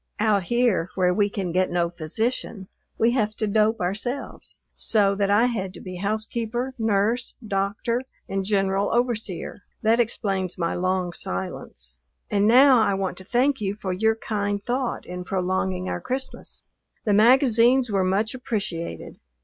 Out here where we can get no physician we have to dope ourselves, so that I had to be housekeeper, nurse, doctor, and general overseer. That explains my long silence. And now I want to thank you for your kind thought in prolonging our Christmas. The magazines were much appreciated.